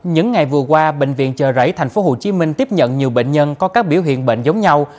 những ngày vừa qua bệnh viện chợ rẫy tp hcm tiếp nhận nhiều bệnh nhân có các biểu hiện bệnh giống nhau